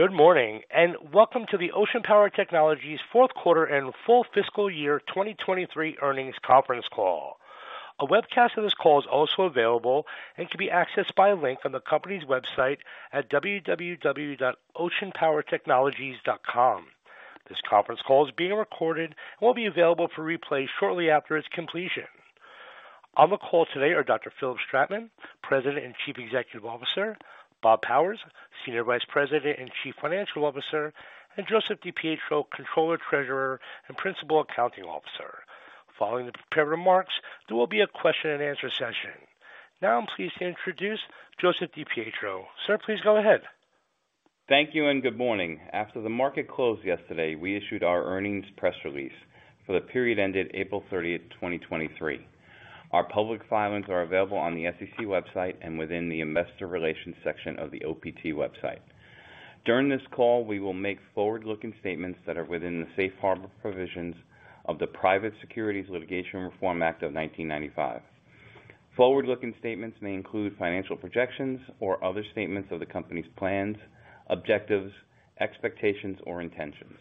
Good morning, and welcome to the Ocean Power Technologies Q4 and full fiscal year 2023 earnings conference call. A webcast of this call is also available and can be accessed by a link on the company's website at www.oceanpowertechnologies.com. This conference call is being recorded and will be available for replay shortly after its completion. On the call today are Dr. Philipp Stratmann, President and Chief Executive Officer, Bob Powers, Senior Vice President and Chief Financial Officer, and Joseph DiPietro, Controller, Treasurer, and Principal Accounting Officer. Following the prepared remarks, there will be a question and answer session. Now, I'm pleased to introduce Joseph DiPietro. Sir, please go ahead. Thank you and good morning. After the market closed yesterday, we issued our earnings press release for the period ended April 30th, 2023. Our public filings are available on the SEC website and within the Investor Relations section of the OPT website. During this call, we will make forward-looking statements that are within the Safe Harbor provisions of the Private Securities Litigation Reform Act of 1995. Forward-looking statements may include financial projections or other statements of the company's plans, objectives, expectations, or intentions.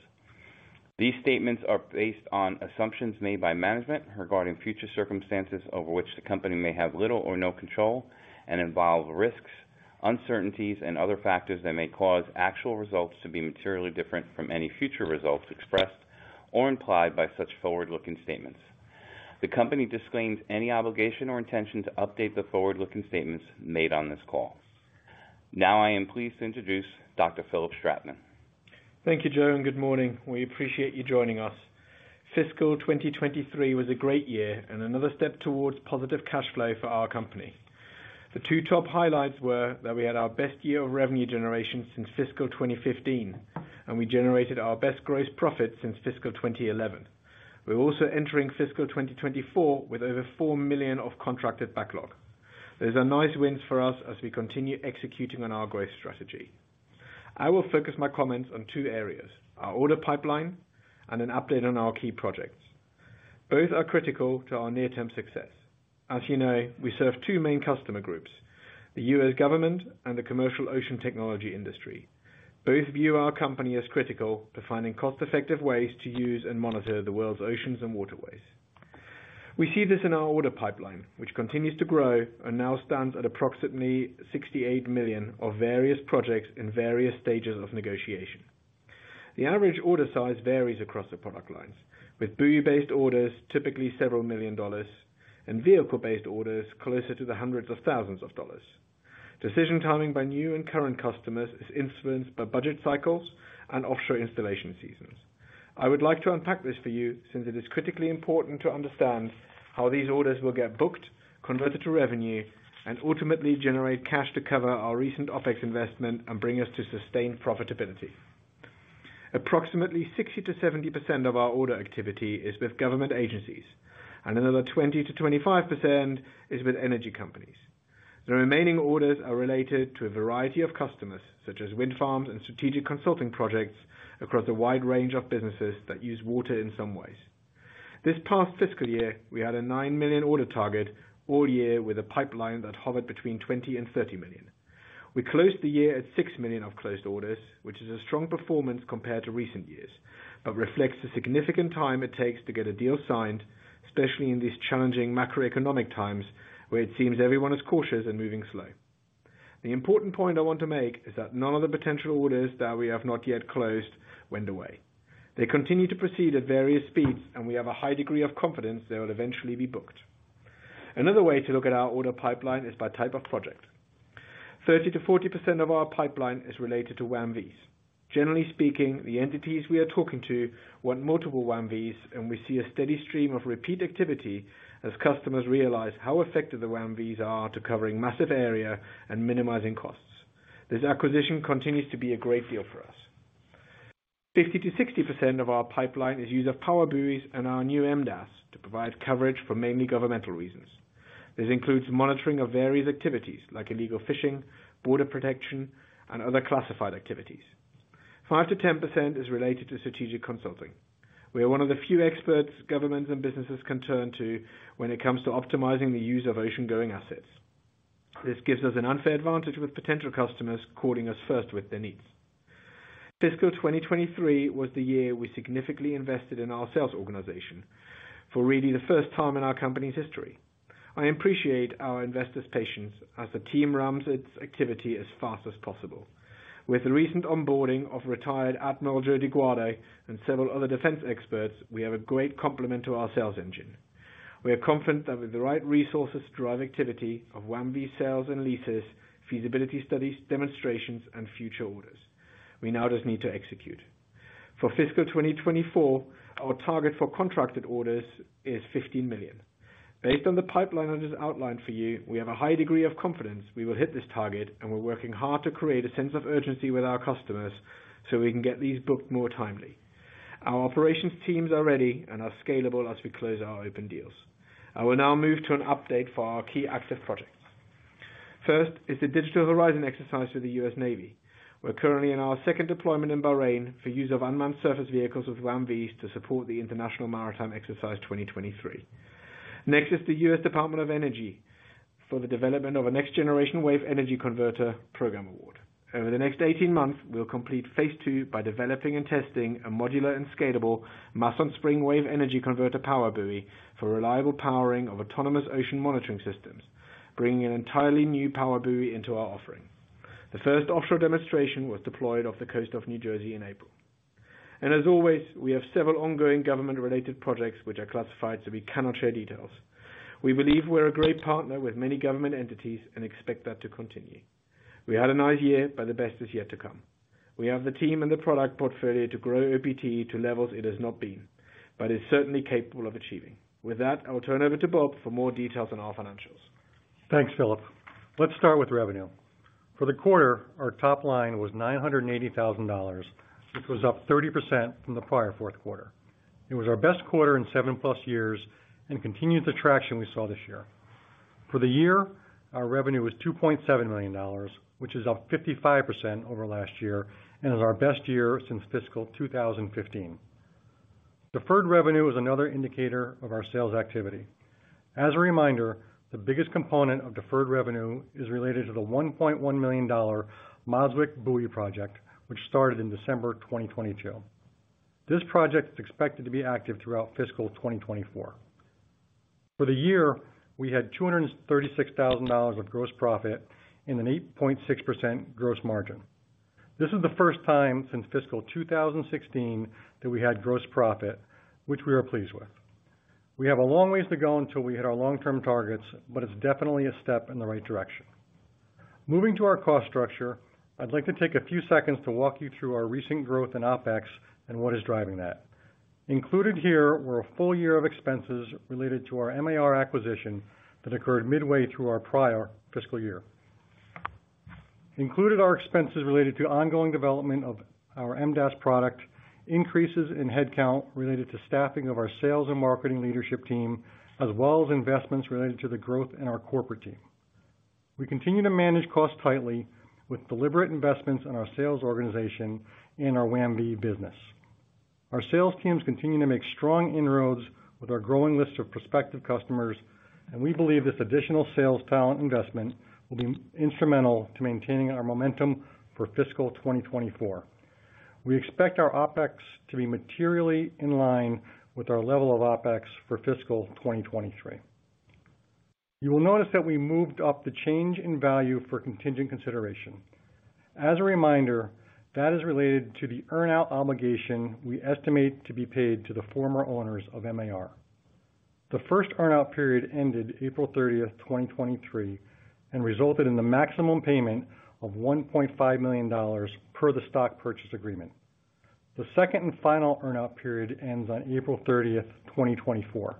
These statements are based on assumptions made by management regarding future circumstances over which the company may have little or no control and involve risks, uncertainties, and other factors that may cause actual results to be materially different from any future results expressed or implied by such forward-looking statements. The company disclaims any obligation or intention to update the forward-looking statements made on this call. I am pleased to introduce Dr. Philipp Stratmann. Thank you, Joe. Good morning. We appreciate you joining us. Fiscal 2023 was a great year and another step towards positive cash flow for our company. The two top highlights were that we had our best year of revenue generation since fiscal 2015, and we generated our best gross profit since fiscal 2011. We're also entering fiscal 2024 with over $4 million of contracted backlog. These are nice wins for us as we continue executing on our growth strategy. I will focus my comments on two areas, our order pipeline and an update on our key projects. Both are critical to our near-term success. As you know, we serve two main customer groups, the U.S. government and the commercial ocean technology industry. Both view our company as critical to finding cost-effective ways to use and monitor the world's oceans and waterways. We see this in our order pipeline, which continues to grow and now stands at approximately $68 million of various projects in various stages of negotiation. The average order size varies across the product lines, with buoy-based orders, typically several million dollars, and vehicle-based orders closer to the hundreds of thousands of dollars. Decision timing by new and current customers is influenced by budget cycles and offshore installation seasons. I would like to unpack this for you, since it is critically important to understand how these orders will get booked, converted to revenue, and ultimately generate cash to cover our recent OpEx investment and bring us to sustained profitability. Approximately 60 to 70% of our order activity is with government agencies, and another 20 to 25% is with energy companies. The remaining orders are related to a variety of customers, such as wind farms and strategic consulting projects across a wide range of businesses that use water in some ways. This past fiscal year, we had a $9 million order target all year with a pipeline that hovered between $20 million and $30 million. We closed the year at $6 million of closed orders, which is a strong performance compared to recent years, reflects the significant time it takes to get a deal signed, especially in these challenging macroeconomic times, where it seems everyone is cautious and moving slow. The important point I want to make is that none of the potential orders that we have not yet closed went away. They continue to proceed at various speeds, We have a high degree of confidence they will eventually be booked. Another way to look at our order pipeline is by type of project. 30 to 40% of our pipeline is related to WAM-Vs. Generally speaking, the entities we are talking to want multiple WAM-Vs, and we see a steady stream of repeat activity as customers realize how effective the WAM-Vs are to covering massive area and minimizing costs. This acquisition continues to be a great deal for us. 50 to 60% of our pipeline is use of PowerBuoys and our new MDAS to provide coverage for mainly governmental reasons. This includes monitoring of various activities like illegal fishing, border protection, and other classified activities. 5 to 10% is related to strategic consulting. We are one of the few experts, governments, and businesses can turn to when it comes to optimizing the use of oceangoing assets. This gives us an unfair advantage with potential customers courting us first with their needs. Fiscal 2023 was the year we significantly invested in our sales organization for really the first time in our company's history. I appreciate our investors' patience as the team ramps its activity as fast as possible. With the recent onboarding of retired Admiral Joe DiGuardo and several other defense experts, we have a great complement to our sales engine. We are confident that with the right resources to drive activity of WAM-V sales and leases, feasibility studies, demonstrations, and future orders, we now just need to execute. For fiscal 2024, our target for contracted orders is $15 million. Based on the pipeline that is outlined for you, we have a high degree of confidence we will hit this target. We're working hard to create a sense of urgency with our customers so we can get these booked more timely. Our operations teams are ready and are scalable as we close our open deals. I will now move to an update for our key active projects. First is the Digital Horizon exercise with the U.S. Navy. We're currently in our second deployment in Bahrain for use of unmanned surface vehicles with WAM-Vs to support the International Maritime Exercise 2023. Next is the U.S. Department of Energy for the development of a next generation wave energy converter program award. Over the next 18 months, we'll complete phase II by developing and testing a modular and scalable Mass-On-Spring Wave Energy Converter PowerBuoy for reliable powering of autonomous ocean monitoring systems, bringing an entirely new PowerBuoy into our offering. The first offshore demonstration was deployed off the coast of New Jersey in April. As always, we have several ongoing government-related projects which are classified, so we cannot share details. We believe we're a great partner with many government entities and expect that to continue. We had a nice year. The best is yet to come. We have the team and the product portfolio to grow OPT to levels it has not been, but is certainly capable of achieving. With that, I will turn over to Bob for more details on our financials. Thanks, Philipp. Let's start with revenue. For the quarter, our top line was $980,000, which was up 30% from the prior Q4. It was our best quarter in 7+ years. Continued the traction we saw this year. For the year, our revenue was $2.7 million, which is up 55% over last year and is our best year since fiscal 2015. Deferred revenue is another indicator of our sales activity. As a reminder, the biggest component of deferred revenue is related to the $1.1 million MOSWEC PowerBuoy project, which started in December 2022. This project is expected to be active throughout fiscal 2024. For the year, we had $236,000 of gross profit and an 8.6% gross margin. This is the first time since fiscal 2016 that we had gross profit, which we are pleased with. We have a long ways to go until we hit our long-term targets. It's definitely a step in the right direction. Moving to our cost structure, I'd like to take a few seconds to walk you through our recent growth in OpEx and what is driving that. Included here were a full year of expenses related to our MAR acquisition that occurred midway through our prior fiscal year. Included are expenses related to ongoing development of our MDAS product, increases in headcount related to staffing of our sales and marketing leadership team, as well as investments related to the growth in our corporate team. We continue to manage costs tightly with deliberate investments in our sales organization and our WAM-V business. Our sales teams continue to make strong inroads with our growing list of prospective customers, and we believe this additional sales talent investment will be instrumental to maintaining our momentum for fiscal 2024. We expect our OpEx to be materially in line with our level of OpEx for fiscal 2023. You will notice that we moved up the change in value for contingent consideration. As a reminder, that is related to the earn-out obligation we estimate to be paid to the former owners of MAR. The first earn-out period ended April 30th, 2023, and resulted in the maximum payment of $1.5 million per the stock purchase agreement. The second and final earn-out period ends on April 30th, 2024.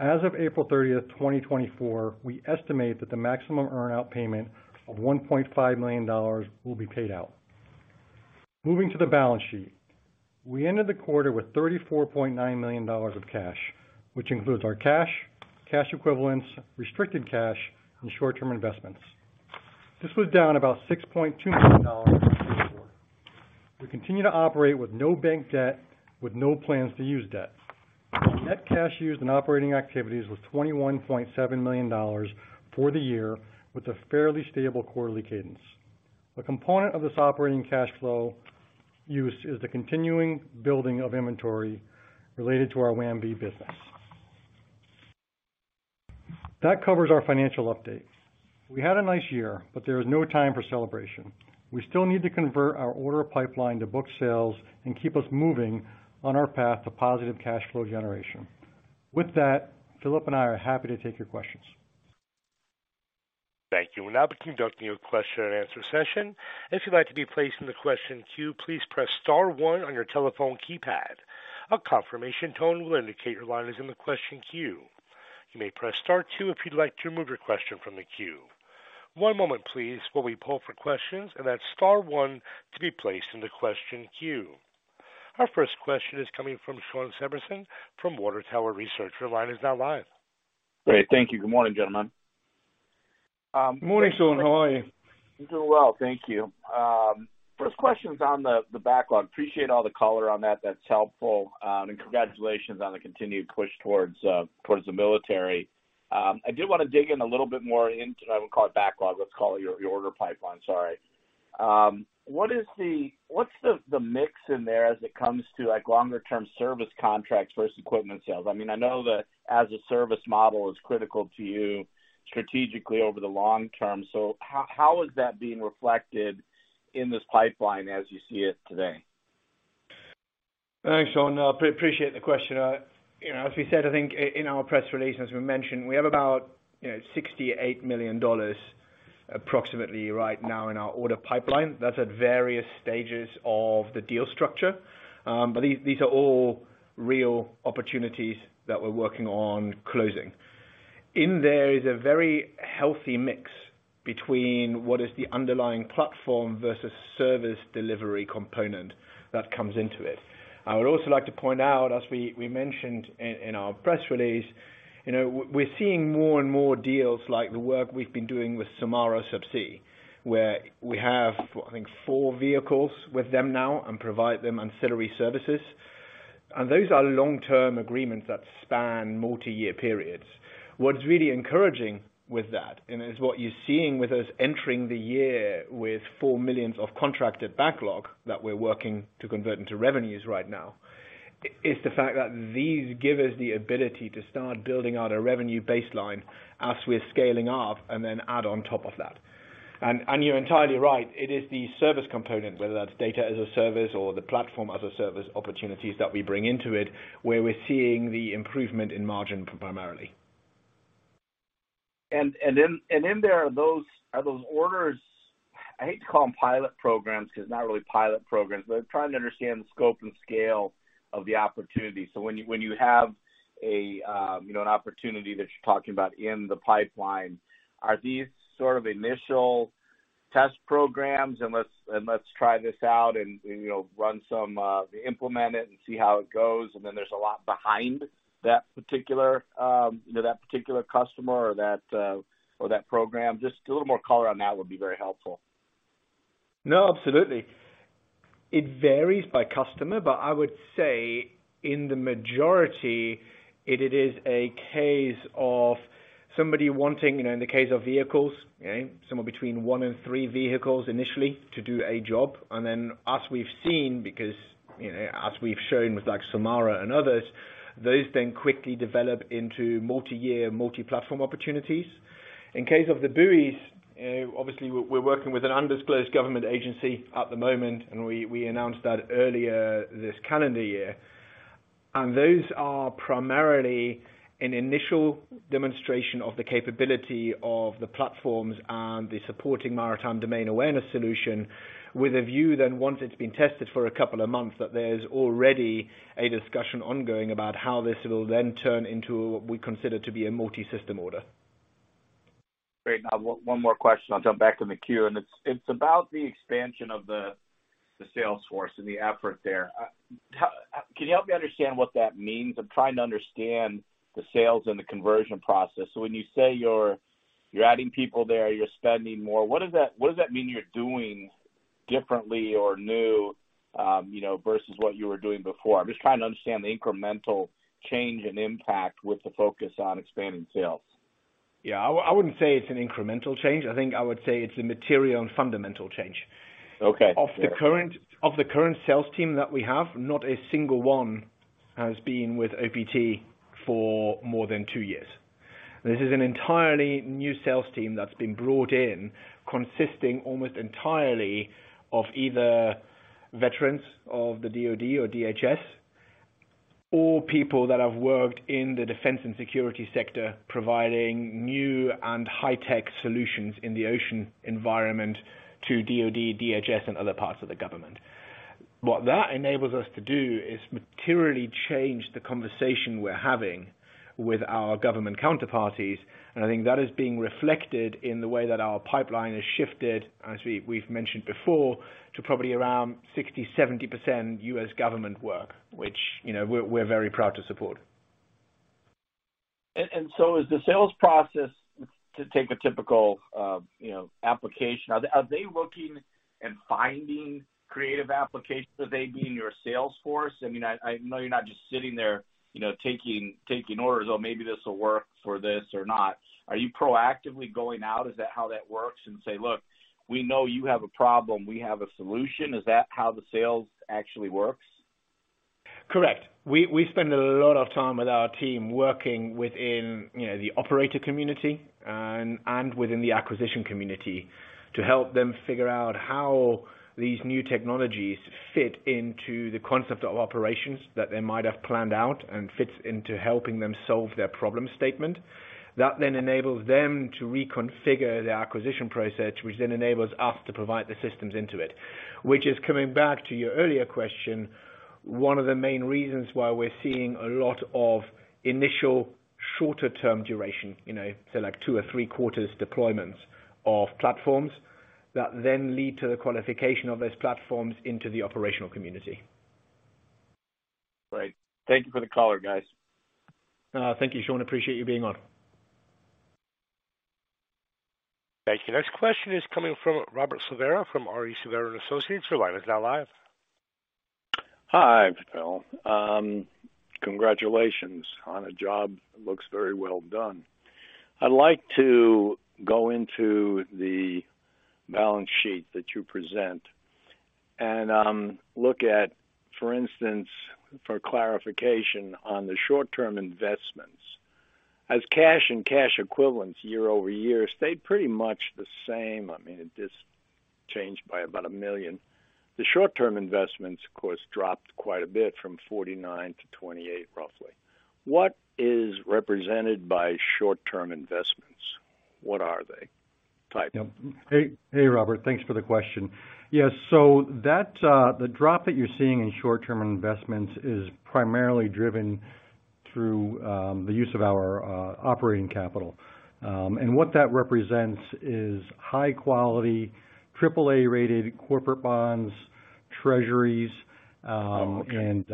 As of April 30th, 2024, we estimate that the maximum earn-out payment of $1.5 million will be paid out. Moving to the balance sheet. We ended the quarter with $34.9 million of cash, which includes our cash equivalents, restricted cash, and short-term investments. This was down about $6.2 million from before. We continue to operate with no bank debt, with no plans to use debt. Net cash used in operating activities was $21.7 million for the year, with a fairly stable quarterly cadence. A component of this operating cash flow use is the continuing building of inventory related to our WAM-V business. That covers our financial update. We had a nice year, but there is no time for celebration. We still need to convert our order pipeline to book sales and keep us moving on our path to positive cash flow generation. With that, Philipp and I are happy to take your questions. Thank you. We'll now be conducting a question and answer session. If you'd like to be placed in the question queue, please press star one on your telephone keypad. A confirmation tone will indicate your line is in the question queue. You may press star two if you'd like to remove your question from the queue. One moment please, while we pull for questions. That's star one to be placed in the question queue. Our first question is coming from Shawn Severson from Water Tower Research. Your line is now live. Great. Thank you. Good morning, gentlemen. Good morning, Shawn. How are you? Doing well, thank you. First question is on the backlog. Appreciate all the color on that. That's helpful. Congratulations on the continued push towards the military. I did want to dig in a little bit more into I wouldn't call it backlog. Let's call it your order pipeline. Sorry. What's the mix in there as it comes to, like, longer-term service contracts versus equipment sales? I mean, I know that as a service model is critical to you strategically over the long term, so how is that being reflected in this pipeline as you see it today? Thanks, Shawn. I appreciate the question. you know, as we said, I think in our press release, as we mentioned, we have about, you know, $68 million approximately right now in our order pipeline. That's at various stages of the deal structure. These are all real opportunities that we're working on closing. In there is a very healthy mix between what is the underlying platform versus service delivery component that comes into it. I would also like to point out, as we mentioned in our press release, you know, we're seeing more and more deals like the work we've been doing with Sulmara Subsea, where we have, I think, four vehicles with them now and provide them ancillary services. Those are long-term agreements that span multi-year periods. What's really encouraging with that, and it's what you're seeing with us entering the year with $4 million of contracted backlog that we're working to convert into revenues right now, is the fact that these give us the ability to start building out a revenue baseline as we're scaling up, and then add on top of that. You're entirely right, it is the service component, whether that's data as a service or the platform as a service, opportunities that we bring into it, where we're seeing the improvement in margin primarily. In there, are those orders, I hate to call them pilot programs, because they're not really pilot programs, but I'm trying to understand the scope and scale of the opportunity. When you have a, you know, an opportunity that you're talking about in the pipeline, are these sort of initial test programs and let's try this out and, you know, run some, implement it and see how it goes, and then there's a lot behind that particular, you know, that particular customer or that, or that program? Just a little more color on that would be very helpful. No, absolutely. It varies by customer, but I would say in the majority, it is a case of somebody wanting, you know, in the case of vehicles, okay, somewhere between one and three vehicles initially to do a job. As we've seen, because, you know, as we've shown with like Sulmara and others, those then quickly develop into multi-year, multi-platform opportunities. In case of the buoys, obviously, we're working with an undisclosed government agency at the moment, and we announced that earlier this calendar year. Those are primarily an initial demonstration of the capability of the platforms and the supporting Maritime Domain Awareness Solution, with a view then, once it's been tested for a couple of months, that there's already a discussion ongoing about how this will then turn into what we consider to be a multi-system order. Great. One more question. I'll jump back to the queue, and it's about the expansion of the sales force and the effort there. Can you help me understand what that means? I'm trying to understand the sales and the conversion process. When you say you're adding people there, you're spending more, what does that mean you're doing differently or new, you know, versus what you were doing before? I'm just trying to understand the incremental change and impact with the focus on expanding sales. Yeah. I wouldn't say it's an incremental change. I think I would say it's a material and fundamental change. Okay. Of the current sales team that we have, not a single one has been with OPT for more than two years. This is an entirely new sales team that's been brought in, consisting almost entirely of either veterans of the DoD or DHS, or people that have worked in the defense and security sector, providing new and high-tech solutions in the ocean environment to DoD, DHS, and other parts of the government. What that enables us to do is materially change the conversation we're having with our government counterparties, and I think that is being reflected in the way that our pipeline has shifted, as we've mentioned before, to probably around 60%, 70% U.S. government work, which, you know, we're very proud to support. As the sales process to take a typical, you know, application, are they looking and finding creative applications? Are they being your sales force? I mean, I know you're not just sitting there, you know, taking orders or maybe this will work for this or not. Are you proactively going out? Is that how that works, and say: Look, we know you have a problem, we have a solution. Is that how the sales actually works? Correct. We spend a lot of time with our team working within, you know, the operator community and within the acquisition community, to help them figure out how these new technologies fit into the concept of operations that they might have planned out and fits into helping them solve their problem statement. That enables them to reconfigure the acquisition process, which then enables us to provide the systems into it. Which is coming back to your earlier question, one of the main reasons why we're seeing a lot of initial shorter-term duration, you know, say like two or three quarters deployments of platforms, that then lead to the qualification of those platforms into the operational community. Great. Thank you for the color, guys. Thank you, Shawn. Appreciate you being on. Thank you. Next question is coming from Robert Silvera, from R.E. Silvéra & Associates. Your line is now live. Hi, Philipp. Congratulations on a job, looks very well done. I'd like to go into the balance sheet that you present and look at, for instance, for clarification on the short-term investments. As cash and cash equivalents year-over-year, stay pretty much the same. I mean, it just changed by about $1 million. The short-term investments, of course, dropped quite a bit from $49 million to 28 million, roughly. What is represented by short-term investments? What are they? Type. Yep. Hey, Robert. Thanks for the question. Yes, that the drop that you're seeing in short-term investments is primarily driven through the use of our operating capital. What that represents is high quality, triple A-rated corporate bonds, treasuries. Okay.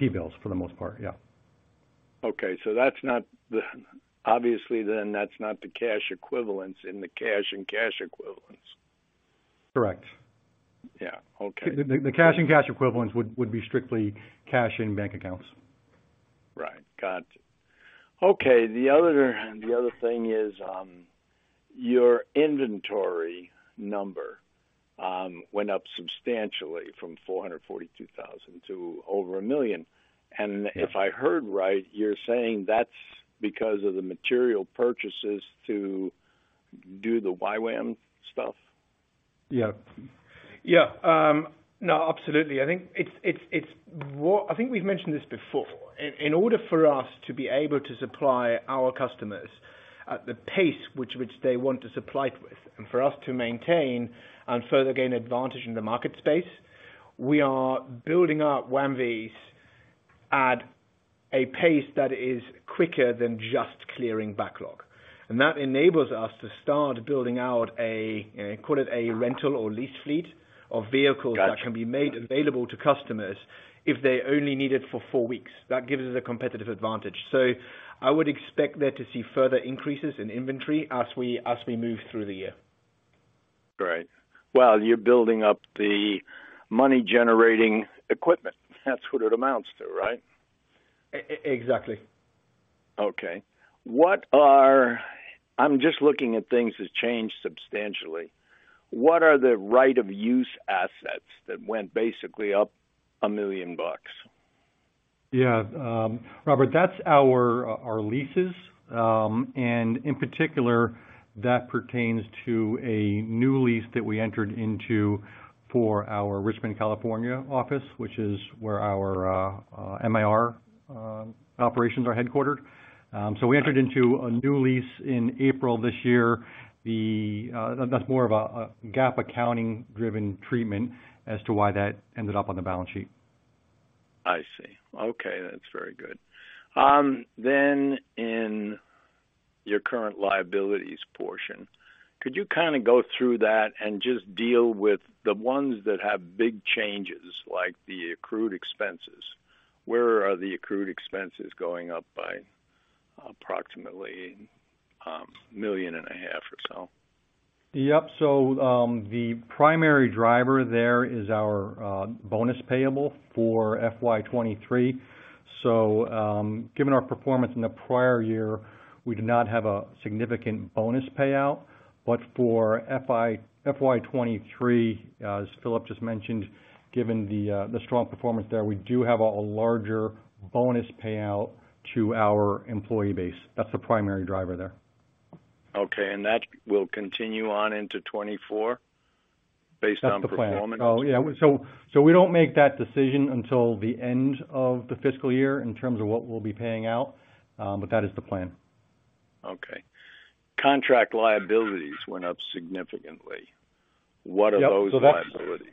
T-bills for the most part. Yeah. Okay. Obviously, then, that's not the cash equivalents in the cash and cash equivalents? Correct. Yeah. Okay. The cash and cash equivalents would be strictly cash in bank accounts. Right. Got you. Okay, the other, and the other thing is, your inventory number went up substantially from $442,000 to over $1 million. Yes. If I heard right, you're saying that's because of the material purchases to do the WAM-V stuff? Yeah. Yeah, no, absolutely. I think we've mentioned this before. In order for us to be able to supply our customers at the pace which they want to supplied with, and for us to maintain and further gain advantage in the market space, we are building up WAM-Vs at a pace that is quicker than just clearing backlog. That enables us to start building out a call it a rental or lease fleet of vehicles- Got you. that can be made available to customers if they only need it for four weeks. That gives us a competitive advantage. I would expect there to see further increases in inventory as we move through the year. Great. Well, you're building up the money-generating equipment. That's what it amounts to, right? E-e-exactly. Okay. I'm just looking at things that's changed substantially. What are the right of use assets that went basically up $1 million? Yeah. Robert, that's our leases. In particular, that pertains to a new lease that we entered into for our Richmond, California office, which is where our MAR operations are headquartered. We entered into a new lease in April this year. That's more of a GAAP accounting driven treatment as to why that ended up on the balance sheet. I see. Okay. That's very good. In your current liabilities portion, could you kind of go through that and just deal with the ones that have big changes, like the accrued expenses? Where are the accrued expenses going up by approximately, million and a half dollars or so? Yep. The primary driver there is our bonus payable for FY 23. Given our performance in the prior year, we did not have a significant bonus payout. For FY 23, as Philipp just mentioned, given the strong performance there, we do have a larger bonus payout to our employee base. That's the primary driver there. Okay, that will continue on into 2024 based on performance? That's the plan. Yeah, we don't make that decision until the end of the fiscal year in terms of what we'll be paying out. That is the plan. Contract liabilities went up significantly. Yep. What are those liabilities?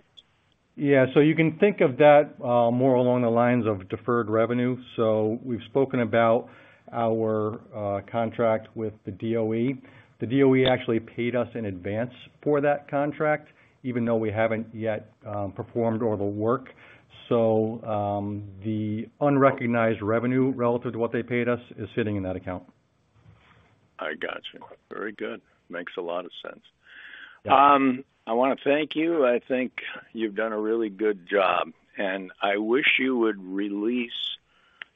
You can think of that more along the lines of deferred revenue. We've spoken about our contract with the DOE. The DOE actually paid us in advance for that contract, even though we haven't yet performed all the work. The unrecognized revenue relative to what they paid us is sitting in that account. I got you. Very good. Makes a lot of sense. Yeah. I wanna thank you. I think you've done a really good job, and I wish you would release,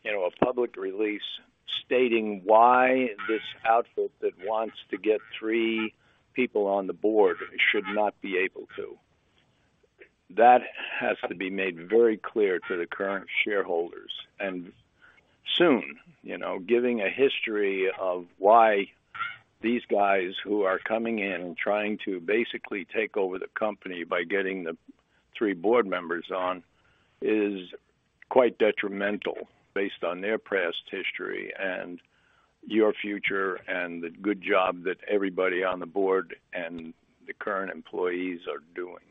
you know, a public release stating why this outfit that wants to get three people on the board should not be able to. That has to be made very clear to the current shareholders, and soon, you know, giving a history of why these guys who are coming in and trying to basically take over the company by getting the three board members on, is quite detrimental based on their past history and your future, and the good job that everybody on the board and the current employees are doing.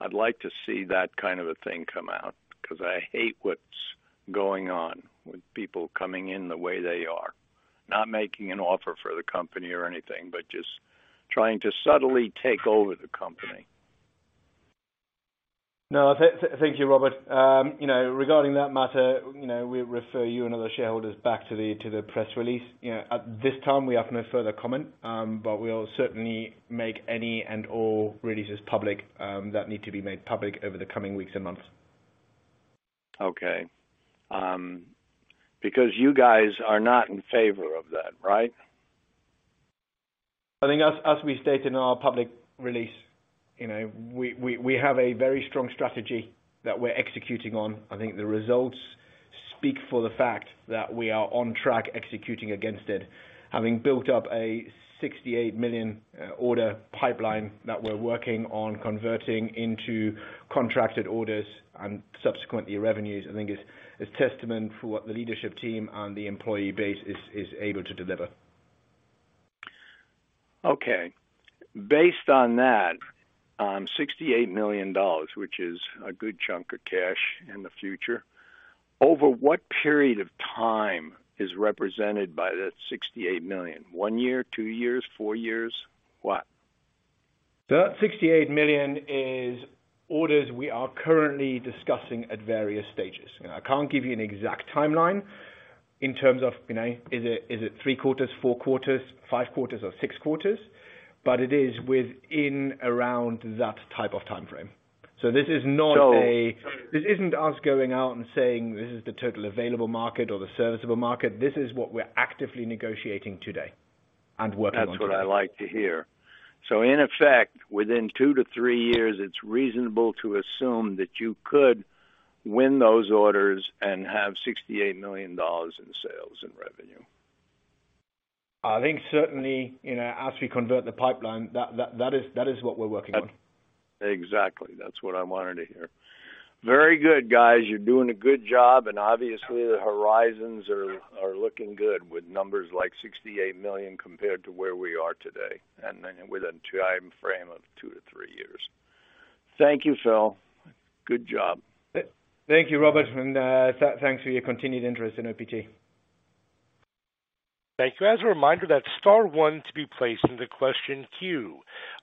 I'd like to see that kind of a thing come out, because I hate what's going on with people coming in the way they are. Not making an offer for the company or anything, but just trying to subtly take over the company. No, thank you, Robert. You know, regarding that matter, you know, we refer you and other shareholders back to the press release. You know, at this time, we have no further comment, but we'll certainly make any and all releases public that need to be made public over the coming weeks and months. Okay. You guys are not in favor of that, right? I think as we stated in our public release, you know, we have a very strong strategy that we're executing on. I think the results speak for the fact that we are on track executing against it, having built up a $68 million order pipeline that we're working on converting into contracted orders and subsequently, revenues. I think it's a testament for what the leadership team and the employee base is able to deliver. Okay. Based on that, $68 million, which is a good chunk of cash in the future, over what period of time is represented by that $68 million? one year, two years, four years? What? That $68 million is orders we are currently discussing at various stages. I can't give you an exact timeline in terms of, you know, is it three quarters, four quarters, five quarters, or six quarters? It is within around that type of timeframe. This is not a. So- This isn't us going out and saying, "This is the total available market or the serviceable market." This is what we're actively negotiating today and working on. That's what I like to hear. In effect, within two to three years, it's reasonable to assume that you could win those orders and have $68 million in sales and revenue? I think certainly, you know, as we convert the pipeline, that is what we're working on. Exactly. That's what I wanted to hear. Very good, guys. You're doing a good job, obviously, the horizons are looking good with numbers like $68 million compared to where we are today, and then within a timeframe of two to three years. Thank you, Philipp. Good job. Thank you, Robert, and thanks for your continued interest in OPT. Thank you. As a reminder, that's star one to be placed in the question queue.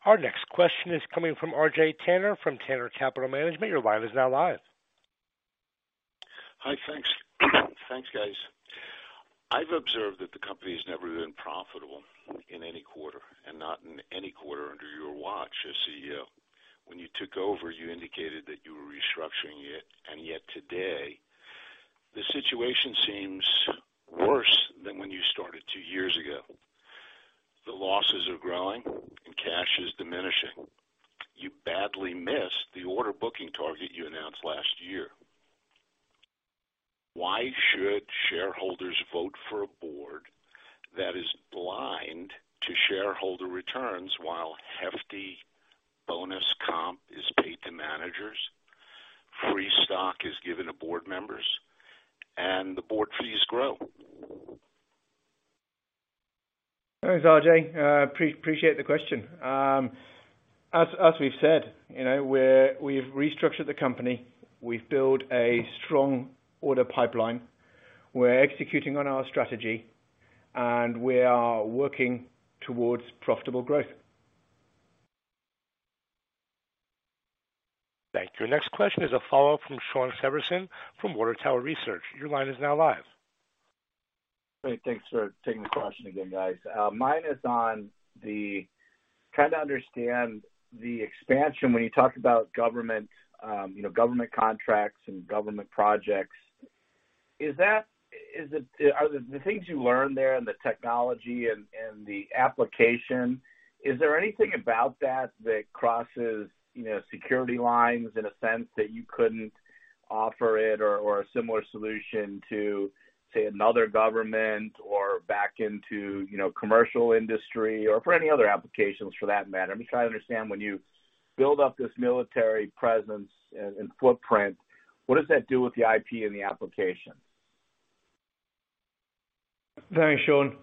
Our next question is coming from R.J. Tanner, from Tanner Capital Management. Your line is now live. Hi, thanks. Thanks, guys. I've observed that the company's never been profitable in any quarter and not in any quarter under your watch as CEO. When you took over, you indicated that you were restructuring it, and yet today, the situation seems worse than when you started two years ago. The losses are growing and cash is diminishing. You badly missed the order booking target you announced last year. Why should shareholders vote for a board that is blind to shareholder returns, while hefty bonus comp is paid to managers, free stock is given to board members, and the board fees grow? Thanks, RJ, appreciate the question. As, as we've said, you know, we've restructured the company. We've built a strong order pipeline. We're executing on our strategy. We are working towards profitable growth. Thank you. Next question is a follow-up from Shawn Severson from Water Tower Research. Your line is now live. Great. Thanks for taking the question again, guys. Mine is on the trying to understand the expansion when you talk about government, you know, government contracts and government projects. Is it, are the things you learn there, and the technology and the application, is there anything about that that crosses, you know, security lines in a sense that you couldn't offer it or a similar solution to, say, another government or back into, you know, commercial industry, or for any other applications for that matter? I'm trying to understand when you build up this military presence and footprint, what does that do with the IP and the application? Thanks, Shawn.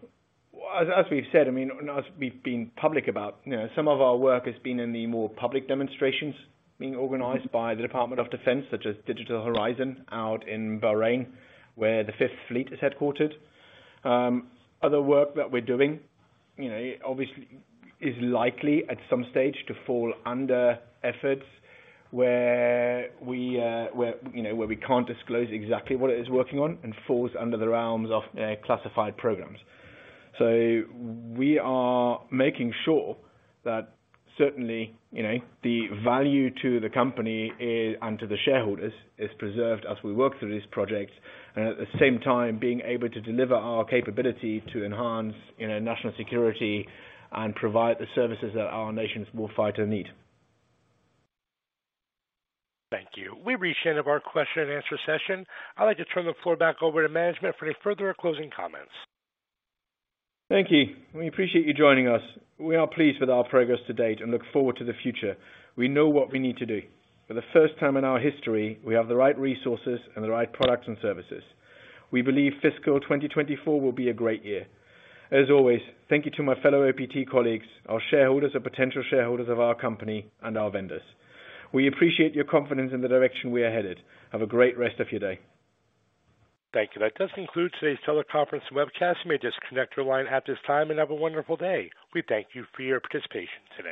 As we've said, I mean, as we've been public about, you know, some of our work has been in the more public demonstrations being organized by the Department of Defense, such as Digital Horizon out in Bahrain, where the Fifth Fleet is headquartered. Other work that we're doing, you know, obviously, is likely, at some stage, to fall under efforts where we, where, you know, we can't disclose exactly what it is working on and falls under the realms of classified programs. We are making sure that certainly, you know, the value to the company is, to the shareholders, is preserved as we work through these projects, at the same time, being able to deliver our capability to enhance, you know, national security and provide the services that our nation's warfighter need. Thank you. We've reached the end of our question and answer session. I'd like to turn the floor back over to management for any further closing comments. Thank you. We appreciate you joining us. We are pleased with our progress to date and look forward to the future. We know what we need to do. For the first time in our history, we have the right resources and the right products and services. We believe fiscal 2024 will be a great year. As always, thank you to my fellow OPT colleagues, our shareholders, our potential shareholders of our company, and our vendors. We appreciate your confidence in the direction we are headed. Have a great rest of your day. Thank you. That does conclude today's teleconference webcast. You may disconnect your line at this time, and have a wonderful day. We thank you for your participation today.